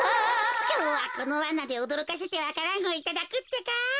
きょうはこのワナでおどろかせてわか蘭をいただくってか。